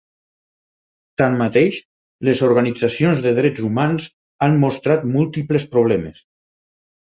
Tanmateix, les organitzacions de drets humans han mostrat múltiples problemes.